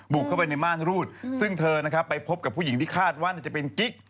เข้าไปในม่านรูดซึ่งเธอนะครับไปพบกับผู้หญิงที่คาดว่าน่าจะเป็นกิ๊ก